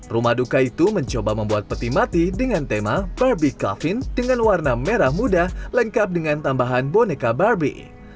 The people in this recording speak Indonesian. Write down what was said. rumah duka itu mencoba membuat peti mati dengan tema barbie coffin dengan warna merah muda lengkap dengan tambahan boneka barbie